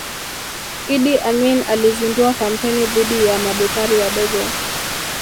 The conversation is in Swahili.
Idi Amin alizindua kampeni dhidi ya mabepari wadogo